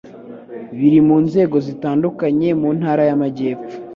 Biri mu nzego zitandukanye mu Ntara y'Amajyepfo